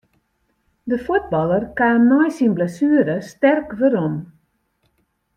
De fuotballer kaam nei syn blessuere sterk werom.